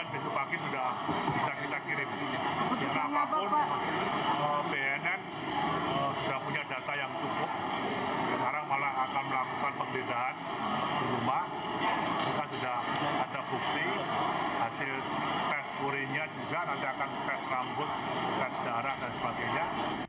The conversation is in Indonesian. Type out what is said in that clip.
pemerintahan rumah sudah ada bukti hasil tes kurinya juga nantikan tes rambut tes darah dan sebagainya